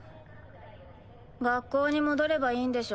学校に戻ればいいんでしょ。